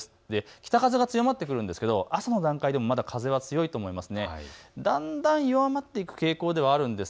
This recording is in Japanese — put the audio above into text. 北風が強まってくるんですが朝の段階でも風が強いと思います。